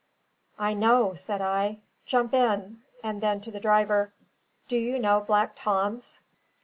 "I know," said I. "Jump in!" And then to the driver: "Do you know Black Tom's?"